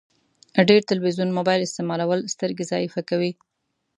ډير تلويزون مبايل استعمالول سترګي ضعیفه کوی